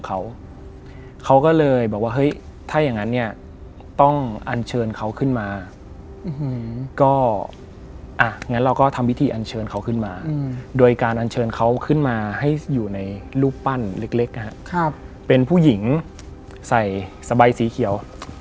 เขาเคยออกอากาศไปแล้ว